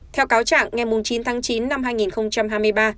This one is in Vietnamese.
theo cáo trạng ngày chín tháng chín năm hai nghìn hai mươi ba